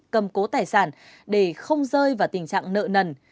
cầm cố tài sản để không rơi vào tình trạng nợ nần